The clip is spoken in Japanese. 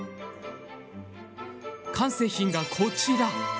完成品がこちら。